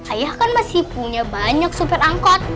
ayah kan masih punya banyak supir angkot